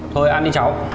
thôi ăn đi cháu